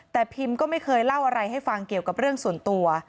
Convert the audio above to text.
แต่พิมก็ไม่เคยเล่าอะไรให้ฟังเกี่ยวกับเรื่องส่วนตัว